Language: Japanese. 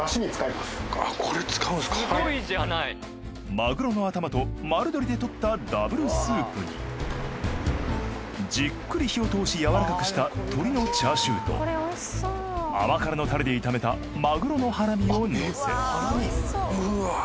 マグロの頭と丸鶏で取ったダブルスープにじっくり火を通し軟らかくした鶏のチャーシューと甘辛のタレで炒めたマグロのハラミをのせうわ！